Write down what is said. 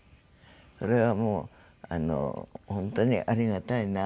それはもう本当にありがたいなと。